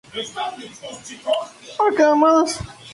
Violeta Botero.